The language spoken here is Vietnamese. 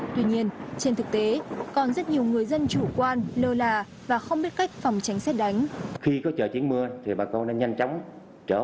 tuy nhiên trên thực tế còn rất nhiều người dân chủ quan lơ là và không biết cách phòng tránh xét đánh